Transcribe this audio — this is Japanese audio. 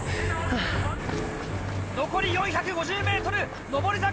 残り４５０ｍ上り坂。